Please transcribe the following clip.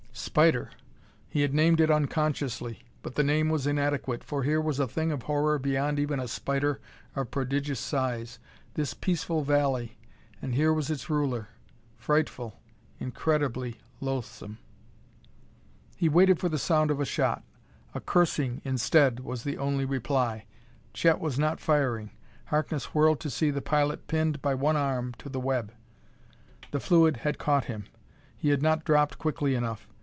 Spider! He had named it unconsciously. But the name was inadequate, for here was a thing of horror beyond even a spider of prodigious size. This peaceful valley! and here was its ruler, frightful, incredibly loathsome! He waited for the sound of a shot. A cursing, instead, was the only reply: Chet was not firing! Harkness whirled to see the pilot pinned by one arm to the web. The fluid had caught him; he had not dropped quickly enough.